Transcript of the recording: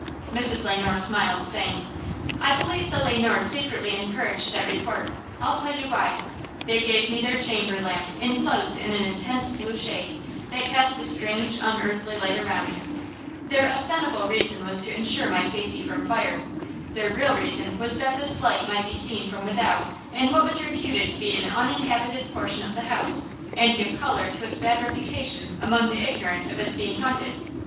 Mrs. Le Noir smiled, saying: "I believe the Le Noirs secretly encouraged that report. I'll tell you why. They gave me a chamber lamp inclosed in an intense blue shade, that cast a strange, unearthly light around. Their ostensible reason was to insure my safety from fire. Their real reason was that this light might be seen from without in what was reputed to be an uninhabited portion of the house, and give color to its bad reputation among the ignorant of being haunted.."